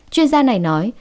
chuyên gia này nói